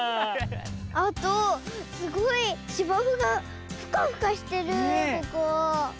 あとすごいしばふがフカフカしてるここ。